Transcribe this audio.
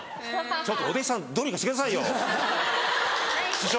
ちょっとお弟子さんどうにかしてくださいよ師匠。